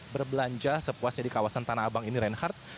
berbelanja sepuasnya di kawasan tanah abang ini reinhardt